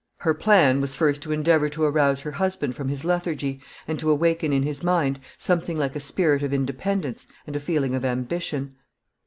Her plan was first to endeavor to arouse her husband from his lethargy, and to awaken in his mind something like a spirit of independence and a feeling of ambition.